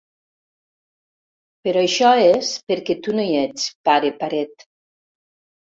Però això és perquè tu no hi ets, pare paret.